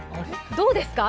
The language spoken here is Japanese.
どうですか？